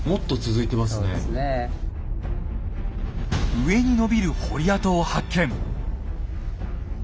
上に延びる掘り跡を発見。